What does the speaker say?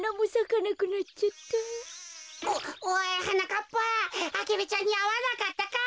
かっぱアゲルちゃんにあわなかったか？